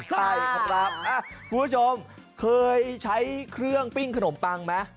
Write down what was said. ใช่ครับคุณผู้ชมเคยใช้เครื่องปิ้งขนมปังไหม